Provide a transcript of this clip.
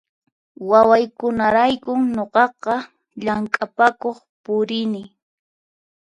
Wawaykunaraykun nuqaqa llamk'apakuq purini